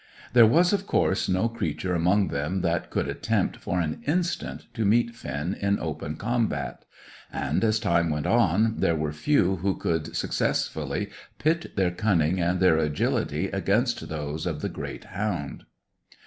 There was, of course, no creature among them that could attempt for an instant to meet Finn in open combat; and as time went on, there were few who could successfully pit their cunning and their agility against those of the great hound.